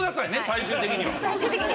最終的には。